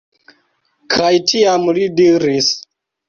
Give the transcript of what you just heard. Kaj tiam li diris: